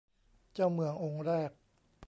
เจ้าเมืององค์แรก